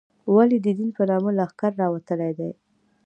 ولې د دین په نامه لښکرې راوتلې دي.